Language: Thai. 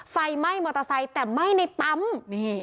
ไฟไหม้มอเตอร์ไซค์แต่ไหม้ในปั๊ม